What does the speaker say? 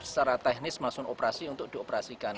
secara teknis masuk operasi untuk dioperasikan